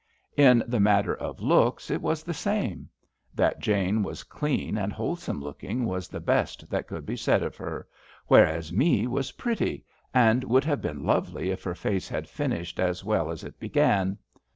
In the matter of looks it was the same. That Jane was clean and wholesome looking was the best that could be said of her, whereas Me was pretty, and would have been lovely if her face had finished as well as it began.